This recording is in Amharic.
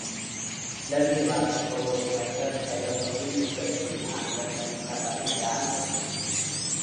ስለዚህ እባክህ ቶሎ መጥተህ ሳይለውጡኝ ውሰደኝና አንተም ከሚስት አልባነት ዳን፡አለችው፡፡